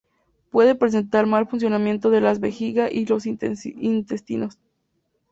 Pueden presentar mal funcionamiento de la vejiga y los intestinos.